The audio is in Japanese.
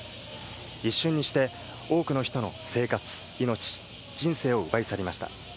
一瞬にして多くの人の生活、命、人生を奪い去りました。